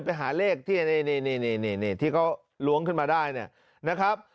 ไปหาเลขที่นี่ที่เขาล้วงขึ้นมาได้เนี่ยนะครับ